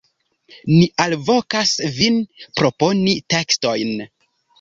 Ni alvokas vin proponi tekstojn.